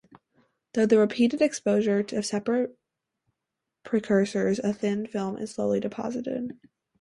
Through the repeated exposure to separate precursors, a thin film is slowly deposited.